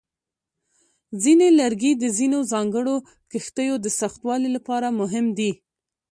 ځینې لرګي د ځینو ځانګړو کښتیو د سختوالي لپاره مهم دي.